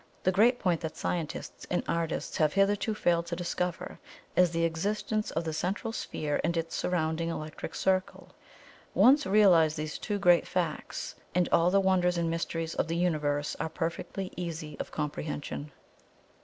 The great point that scientists and artists have hitherto failed to discover, is the existence of the Central Sphere and its Surrounding Electric Circle. Once realize these two great facts, and all the wonders and mysteries of the Universe are perfectly easy of comprehension.